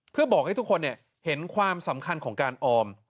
เพื่อบอกให้ทุกคนเห็นความสำคัญของการออม